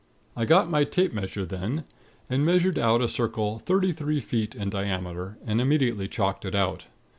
"I got my tape measure then, and measured out a circle thirty three feet in diameter, and immediately chalked it out.